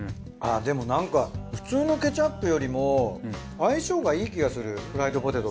でもなんか普通のケチャップよりも相性がいい気がするフライドポテトと。